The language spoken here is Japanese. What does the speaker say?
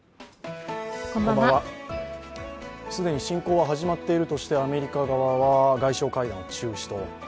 既に侵攻は始まっているとしてアメリカ側は外相会談を中止と。